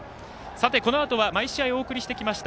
このあとは毎試合お送りしてきました